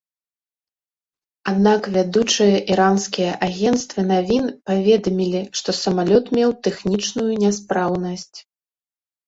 Аднак вядучыя іранскія агенцтвы навін паведамілі, што самалёт меў тэхнічную няспраўнасць.